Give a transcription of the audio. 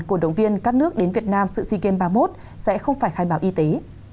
cổ động viên các nước đến việt nam sự sea games ba mươi một sẽ không phải khai báo y tế